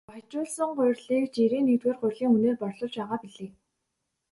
Баяжуулсан гурилыг жирийн нэгдүгээр гурилын үнээр борлуулж байгаа билээ.